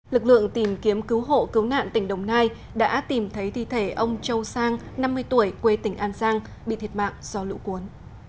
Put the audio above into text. lực lượng tìm kiếm cứu hộ cứu nạn tỉnh đồng nai đã tìm thấy thi thể ông châu sang năm mươi tuổi quê tỉnh an giang bị thiệt mạng do lũ cuốn